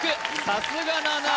さすが！